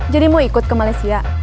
jadi mau ikut ke malaysia